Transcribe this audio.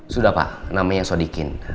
sudah pak namanya sodikin